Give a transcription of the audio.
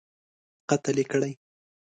قتل یې کړی.